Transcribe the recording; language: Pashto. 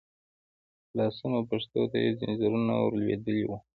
لاسونو او پښو ته يې ځنځيرونه ور لوېدلي وو.